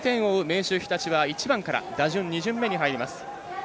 明秀日立は１番から、打順２巡目に入ります。